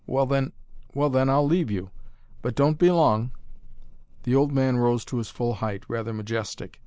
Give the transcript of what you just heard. Well then well then, I'll leave you. But don't be long." The old man rose to his full height, rather majestic.